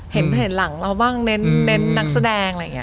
เห็นหรือเห็นหลังเราบ้างเน้นนักแสดง